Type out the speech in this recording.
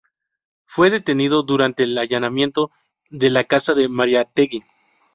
Fue detenido durante el allanamiento de la casa de Mariátegui.